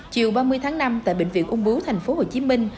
chiều ba mươi tháng năm tại bệnh viện úng bứu thành phố hồ chí minh